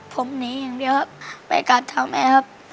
ผมหนีอย่างเดียวครับไปกัดเท้าแม่ครับ